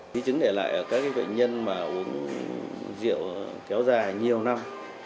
chí chứng để lại các bệnh nhân mà uống rượu kéo dài nhiều năm